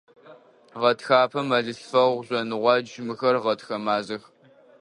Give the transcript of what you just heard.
Гъэтхапэ, мэлылъфэгъу, жъоныгъуакӀ – мыхэр гъэтхэ мазэх.